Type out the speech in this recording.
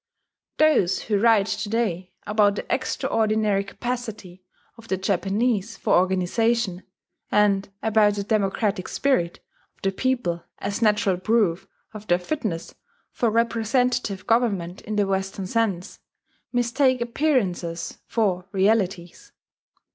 Those who write to day about the extraordinary capacity of the Japanese for organization, and about the "democratic spirit" of the people as natural proof of their fitness for representative government in the Western sense, mistake appearances for realities.